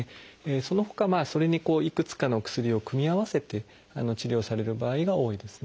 そのほかそれにいくつかの薬を組み合わせて治療される場合が多いですね。